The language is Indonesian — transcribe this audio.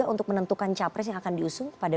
untuk menentukan capres yang akan diusung pada